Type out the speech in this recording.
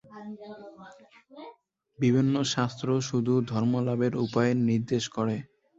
বিভিন্ন শাস্ত্র শুধু ধর্মলাভের উপায় নির্দেশ করে।